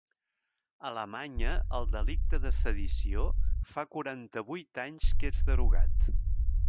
A Alemanya el delicte de sedició fa quaranta-vuit anys que és derogat.